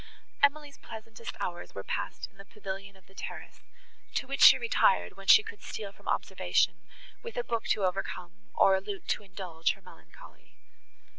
Emily's pleasantest hours were passed in the pavilion of the terrace, to which she retired, when she could steal from observation, with a book to overcome, or a lute to indulge, her melancholy.